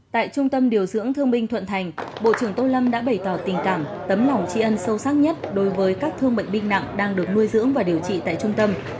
tại trung tâm điều dưỡng thương binh thuận thành bộ trưởng tô lâm đã bày tỏ tình cảm tấm lòng tri ân sâu sắc nhất đối với các thương bệnh binh nặng đang được nuôi dưỡng và điều trị tại trung tâm